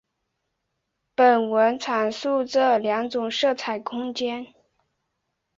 本文即阐述这两种色彩空间。